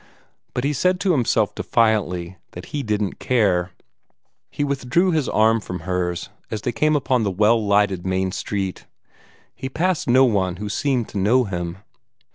But he said to himself defiantly that he didn't care. He withdrew his arm from hers as they came upon the well lighted main street. He passed no one who seemed to know him.